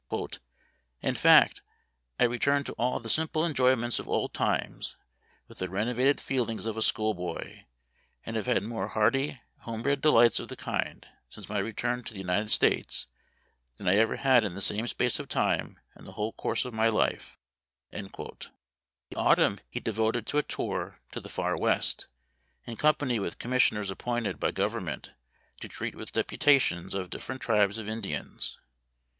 " In fact, I return to all the simple enjoy 200 Memoir of Washington Irving. ments of old times with the renovated feelings of a school boy, and have had more hearty, home bred delights of the kind since my return to the United States than I have ever had in the same space of time in the whole course of my life." The autumn he devoted to a tour to the Far West, in company with commissioners appointed by Government to treat with deputations of different tribes of Indians.